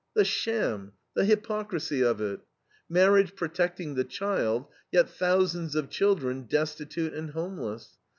The sham, the hypocrisy of it! Marriage protecting the child, yet thousands of children destitute and homeless.